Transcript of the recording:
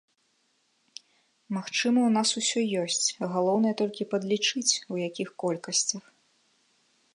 Магчыма, у нас усё ёсць, галоўнае толькі падлічыць, у якіх колькасцях.